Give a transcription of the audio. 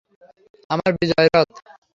আমার বিজয় রথ!